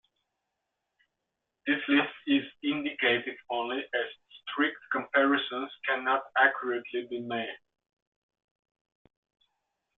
This list is indicative only, as strict comparisons cannot accurately be made.